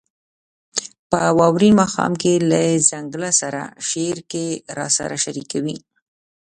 « په واورین ماښام کې له ځنګله سره» شعر کې راسره شریکوي: